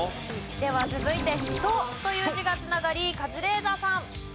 では続いて「人」という字が繋がりカズレーザーさん。